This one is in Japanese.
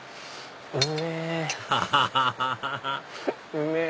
うめぇ！